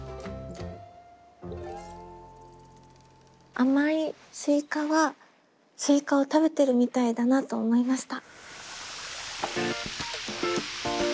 「甘いスイカ」はスイカを食べてるみたいだなと思いました。